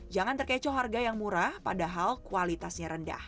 jangan terkecoh harga yang murah padahal kualitasnya rendah